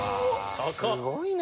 すごいな。